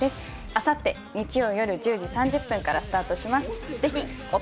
あさって日曜夜１０時３０分からスタートします。